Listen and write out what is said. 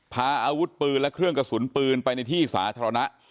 พาอาวุธปืนและเครื่องกระสุนปืนไปในที่สาธารณะ